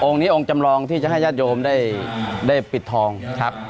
นี้องค์จำลองที่จะให้ญาติโยมได้ปิดทองครับ